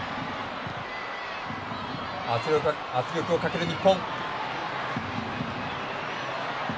圧力をかける日本。